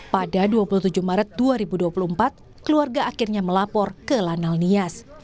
pada dua puluh tujuh maret dua ribu dua puluh empat keluarga akhirnya melapor ke lanal nias